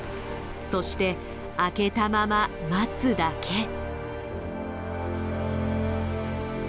そして開けたまま待つだけ。